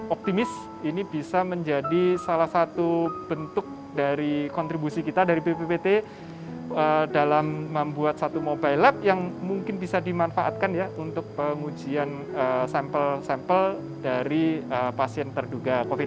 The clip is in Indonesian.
optimis ini bisa menjadi salah satu bentuk dari kontribusi kita dari bppt dalam membuat satu mobile lab yang mungkin bisa dimanfaatkan ya untuk pengujian sampel sampel dari pasien terduga covid sembilan belas